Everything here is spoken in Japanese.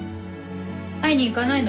会いに行かないの？